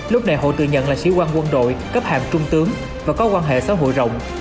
lúc đại hội tự nhận là sĩ quan quân đội cấp hàm trung tướng và có quan hệ xã hội rộng